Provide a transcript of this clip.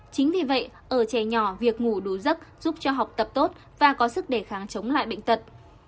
chính vì vậy ở trẻ nhỏ việc ngủ đủ giấc giúp cho học tập tốt và có sức để kháng chống lại bệnh tật